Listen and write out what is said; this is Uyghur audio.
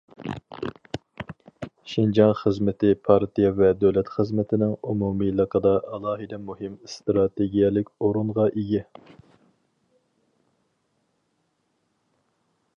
شىنجاڭ خىزمىتى پارتىيە ۋە دۆلەت خىزمىتىنىڭ ئومۇمىيلىقىدا ئالاھىدە مۇھىم ئىستراتېگىيەلىك ئورۇنغا ئىگە.